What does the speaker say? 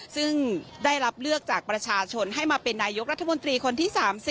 ซึ่งได้รับเลือกจากประชาชนให้มาเป็นนายกรัฐมนตรีคนที่๓๐